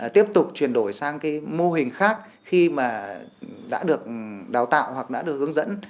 tiếp tục chuyển đổi sang mô hình khác khi mà đã được đào tạo hoặc đã được hướng dẫn